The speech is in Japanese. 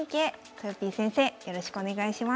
とよぴー先生よろしくお願いします。